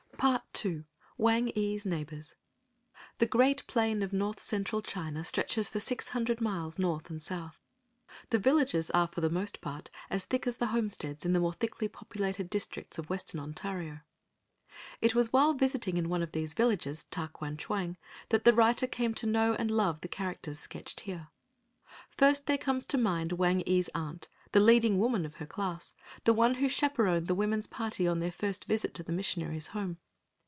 *Part II. WANG EE's NEIGHBORS.* The great plain of North Central China stretches for six hundred miles North and South. The villages are for the most part as thick as the homesteads in the more thickly populated districts of Western Ontario. It was while visiting in one of these villages, Ta kwan chwang, that the writer came to know and love the characters sketched here. First there comes to mind Wang ee's aunt, the leading woman of her class, the one who chaperoned the women's party on their first visit to the missionary's home.